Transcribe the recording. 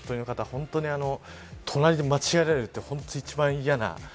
本当に隣で間違えられるって一番嫌な。